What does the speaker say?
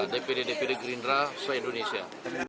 depan depan gerindra suha indonesia